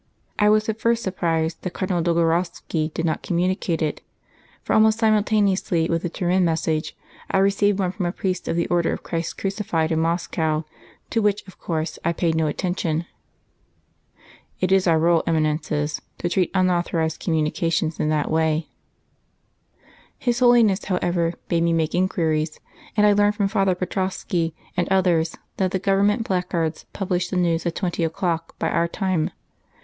"I was at first surprised that Cardinal Dolgorovski did not communicate it; for almost simultaneously with the Turin message I received one from a priest of the Order of Christ Crucified in Moscow, to which, of course, I paid no attention. (It is our rule, Eminences, to treat unauthorised communications in that way.) His Holiness, however, bade me make inquiries, and I learned from Father Petrovoski and others that the Government placards published the news at twenty o'clock by our time.